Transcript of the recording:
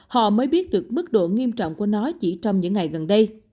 họ mới biết được mức độ nghiêm trọng của nó chỉ trong những ngày gần đây